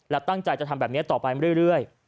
และตั้งใจจะทำแบบนี้ต่อไปเรื่อย